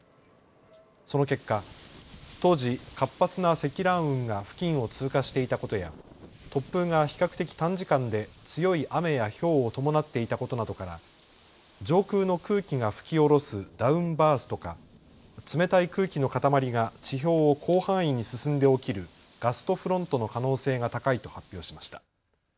その結果、当時活発な積乱雲が付近を通過していたことや突風が比較的短時間で強い雨やひょうを伴っていたことなどから上空の空気が吹き降ろすダウンバーストか冷たい空気の塊が地表を広範囲に進んで起きるガストフロントの可能性が高いと発表しました。